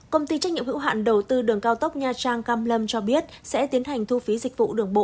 công ty trách nhiệm hữu hạn đầu tư đường cao tốc nha trang cam lâm cho biết sẽ tiến hành thu phí dịch vụ đường bộ